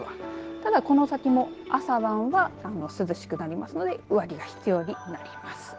ただこの先も朝晩は涼しくなりますので上着が必要になります。